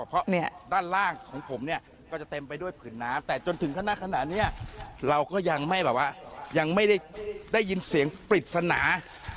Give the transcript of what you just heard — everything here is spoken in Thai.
เพราะด้านล่างของผมเนี่ยก็จะเต็มไปด้วยผืนน้ำแต่จนถึงขณะขนาดนี้เราก็ยังไม่ได้ยินเสียงปริศนา